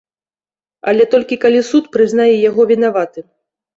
Але толькі калі суд прызнае яго вінаватым.